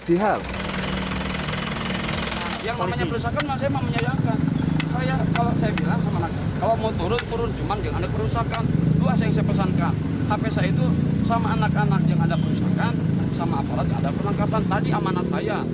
sehingga mereka tidak bisa menangkap orang orang yang berada di bawah